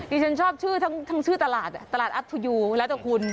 ฉันชอบชื่อทั้งชื่อตลาดตลาดอัธยูแล้วแต่คุณ